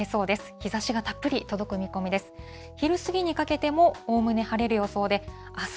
日ざしがたっぷり届く見込みです。